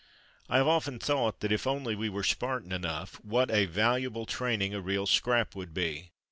I have often thought that if only we were Spartan enough what a valuable training a real scrap would be.